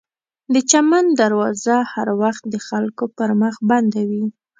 د چمن دروازه هر وخت د خلکو پر مخ بنده وي.